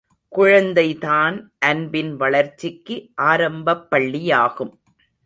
குழந்தைதான் அன்பின் வளர்ச்சிக்கு ஆரம்பப்பள்ளியாகும்.